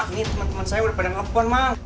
ini temen temen saya udah pada nge lepon mak